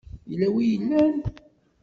Yella wi i yellan?.